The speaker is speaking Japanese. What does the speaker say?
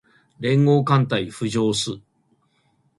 連合艦隊浮上す